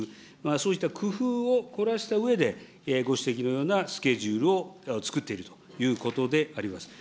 そういった工夫を凝らしたうえで、ご指摘のようなスケジュールをつくっているということであります。